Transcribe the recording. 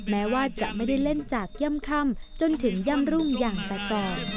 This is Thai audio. แม้ว่าจะไม่ได้เล่นจากย่ำค่ำจนถึงย่ำรุ่งอย่างแต่ก่อน